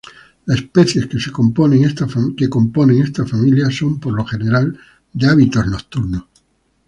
Las especies que componen esta familia son por lo general de hábitos nocturnos.